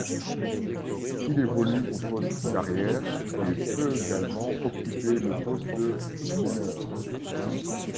Il évolue au poste d'arrière, et peut également occuper le poste de meneur.